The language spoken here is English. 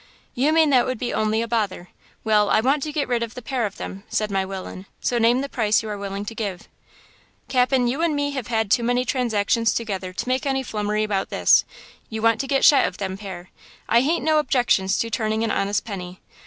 "'You mean that would be only a bother. Well, I want to get rid of the pair of them,' said my willain, 'so name the price you are willing to give.' "'Cap'n, you and me have had too many transactions together to make any flummery about this. You want to get shet o' them pair. I hain't no objections to turning an honest penny.